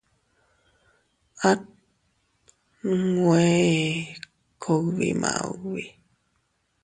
At nwe ee kugbi maubi.